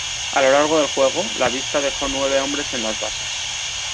A lo largo del juego, la vista dejó nueve hombres en las bases.